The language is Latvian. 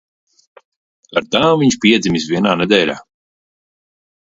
Ar tām viņš piedzimis vienā nedēļā.